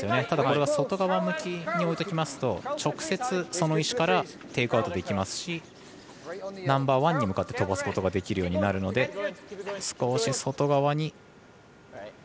ただ、これは外側向きに置いていますと直接、その石からテイクアウトできますしナンバーワンに向かって飛ばすことができるようになるので少し外側に。